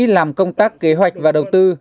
làm công tác kế hoạch và đầu tư